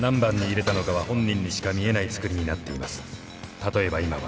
例えば今は。